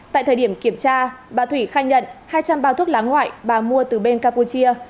tại thời điểm kiểm tra bà thủy khai nhận hai trăm linh bao thuốc lá ngoại bà mua từ bên campuchia